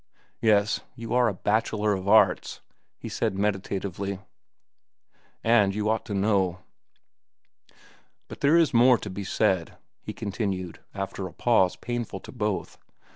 "Yes, you are a Bachelor of Arts," he said meditatively; "and you ought to know." "But there is more to be said," he continued, after a pause painful to both.